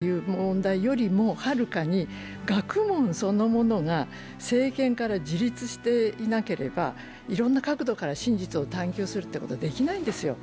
学問の自由という問題は研究者の個人の自由という問題よりもはるかに、学問そのものが政権から自立していなければ、いろんな角度から真実を探求することはできないんですよ。